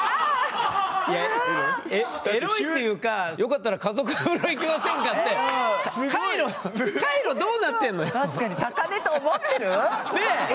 エロいっていうかよかったら家族風呂行きませんかって高根と思ってる？